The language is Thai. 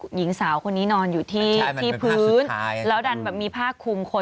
หญิงสาวคนนี้นอนอยู่ที่พื้นแล้วดันแบบมีผ้าคุมคน